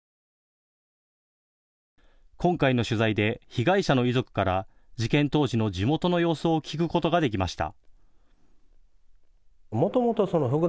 今回の取材で被害者の遺族から事件当時の地元の様子を聞くことができました。